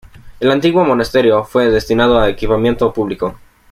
El antiguo monasterio fue destinado a equipamiento público.